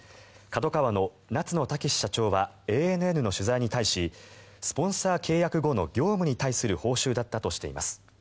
ＫＡＤＯＫＡＷＡの夏野剛社長はＡＮＮの取材に対しスポンサー契約後の業務に対する報酬だったとしています。